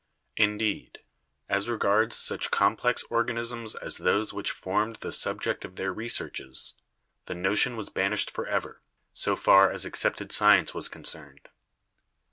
Indeed, as regards such com plex organisms as those which formed the subject of their researches, the notion was banished forever, so far as ac cepted science was concerned."